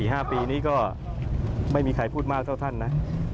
๕ปีนี้ก็ไม่มีใครพูดมากเท่าท่านนะ